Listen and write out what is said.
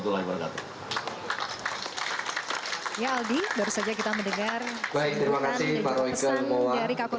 ya aldi baru saja kita mendengar kesembuhan dari jawa timur